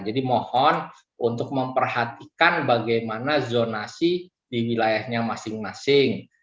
jadi mohon untuk memperhatikan bagaimana zonasi di wilayahnya masing masing